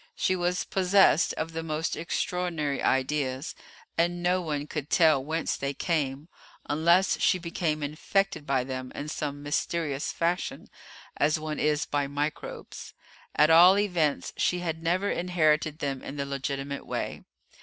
She was possessed of the most extraordinary ideas, and no one could tell whence they came, unless she became infected by them in some mysterious fashion, as one is by microbes; at all events, she had never inherited them in the legitimate way.